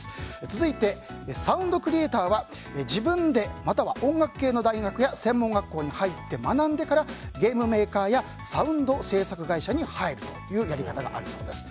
続いて、サウンドクリエーターは自分で、または音楽系の大学や専門学校に入って学んでからゲームメーカーやサウンド制作会社に入るというやり方があるそうです。